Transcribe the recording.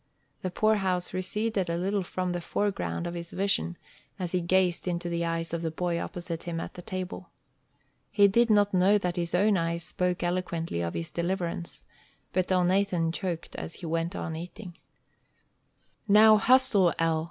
The poorhouse receded a little from the foreground of his vision as he gazed into the eyes of the boy opposite him at the table. He did not know that his own eyes spoke eloquently of his deliverance, but Elnathan choked as he went on eating. "Now hustle, El!"